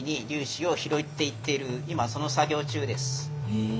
へえ。